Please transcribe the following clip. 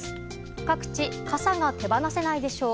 各地、傘が手放せないでしょう。